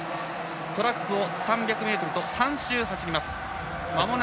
トラックを３００ｍと３周走ります。